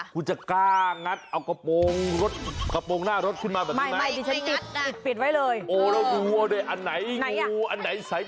คุณจะกล้างัดเอากระโปรงหน้ารถขึ้นมาแบบนี้ไหม